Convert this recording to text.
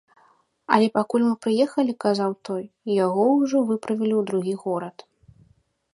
Але пакуль мы прыехалі, казаў той, яго ўжо выправілі ў другі горад.